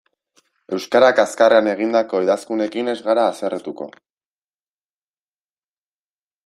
Euskara kaxkarrean egindako idazkunekin ez gara haserretuko.